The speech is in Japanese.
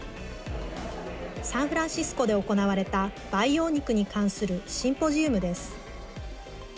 サンフランシスコで行われた培養肉に関するシンポジウムです。